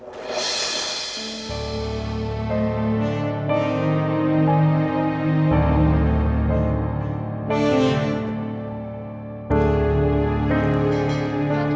bapak bangun pak